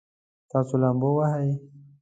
تاسو لامبو وهئ؟